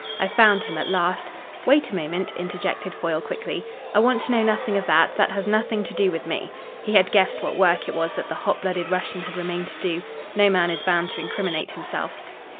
I found him at last " "Wait a moment," interjected Foyle quickly. "I want to know nothing of that; that has nothing to do with me." He had guessed what work it was that the hot blooded Russian had remained to do. No man is bound to incriminate himself.